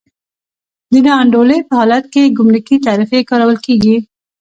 د نا انډولۍ په حالت کې ګمرکي تعرفې کارول کېږي.